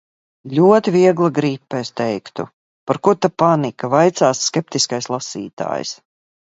Ļoti viegla gripa, es teiktu. Par ko tad panika, vaicās skeptiskais lasītājs.